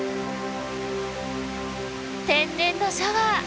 天然のシャワー！